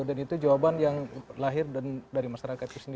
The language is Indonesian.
dan itu jawaban yang lahir dari masyarakat itu sendiri